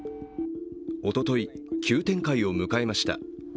おととい、急展開を迎えました。